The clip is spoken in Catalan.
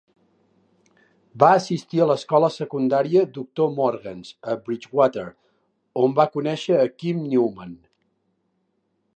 Va assistir a l'escola secundària Doctor Morgan's, a Bridgwater, on va conèixer a Kim Newman.